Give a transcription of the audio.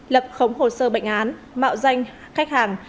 lập khống hồ sơ bệnh án mạo danh khách hàng